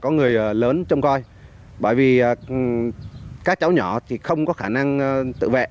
cảm ơn tất cả các bạn vừa ghét